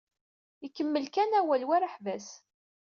Ikemmel kan awal, war aḥbas.